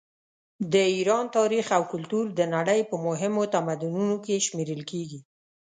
د ایران تاریخ او کلتور د نړۍ په مهمو تمدنونو کې شمېرل کیږي.